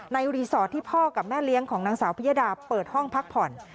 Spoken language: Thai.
รีสอร์ทที่พ่อกับแม่เลี้ยงของนางสาวพิยดาเปิดห้องพักผ่อน